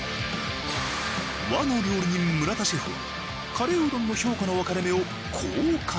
和の料理人村田シェフはカレーうどんの評価の分かれ目をこう語る。